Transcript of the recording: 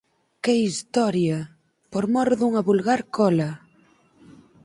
Que historia! Por mor dunha vulgar cola!